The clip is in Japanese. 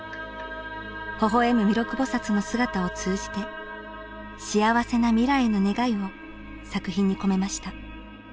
微笑む弥勒菩の姿を通じて幸せな未来への願いを作品に込めました。